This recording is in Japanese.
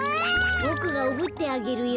ボクがおぶってあげるよ。